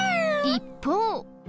一方。